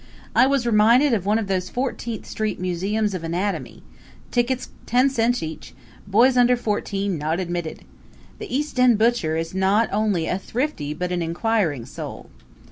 I was reminded of one of those Fourteenth Street museums of anatomy tickets ten cents each; boys under fourteen not admitted. The East End butcher is not only a thrifty but an inquiring soul.